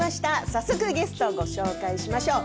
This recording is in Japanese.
早速ゲストをご紹介しましょう。